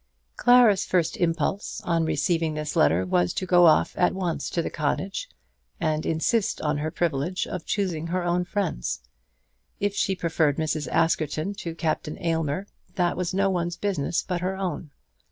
Clara's first impulse on receiving this letter was to go off at once to the cottage, and insist on her privilege of choosing her own friends. If she preferred Mrs. Askerton to Captain Aylmer, that was no one's business but her own.